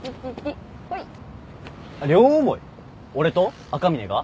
俺と赤嶺が？